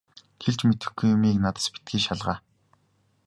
Хэлж мэдэхгүй юмыг надаас битгий шалгаа.